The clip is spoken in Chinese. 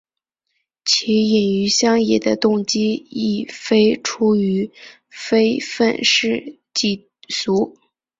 其隐于乡野的动机亦非出于非愤世嫉俗。